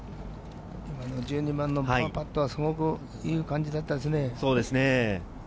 １２番のパーパットはすごくいい感じだったですね。